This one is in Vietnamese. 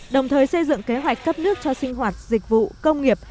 đồng thời xây dựng kế hoạch cấp nước cho sinh hoạt dịch vụ công nghiệp